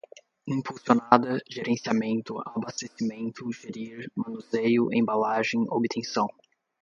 impulsionada, gerenciamento, abastecimento, gerir, manuseio, embalagem, obtenção